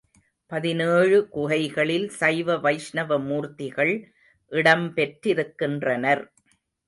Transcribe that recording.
பதினேழு குகைகளில் சைவ வைஷ்ணவ மூர்த்திகள் இடம் பெற்றிருக்கின்றனர்.